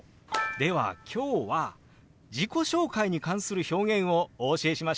では今日は自己紹介に関する表現をお教えしましょう！